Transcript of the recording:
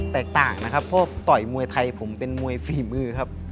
แตกต่างนะครับเพราะต่อยมวยไทยผมเป็นมวยฝีมือครับ